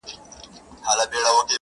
ښکلایز ارزښتونه لري